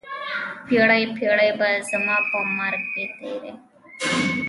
پیړۍ، پیړۍ به زما په مرګ وي تېرې